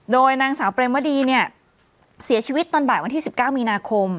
โดยนางสาวเปรมวดีเนี่ยเสียชีวิตตอนบ่ายวันที่๑๙มีนาคม